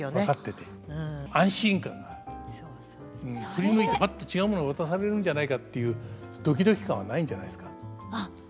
振り向いてぱっと違う物渡されるんじゃないかっていうドキドキ感はないんじゃないですか。